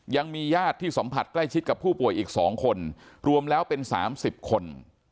ยังมีญาติที่สัมผัสใกล้ชิดกับผู้ป่วยอีก๒คนรวมแล้วเป็น๓๐คน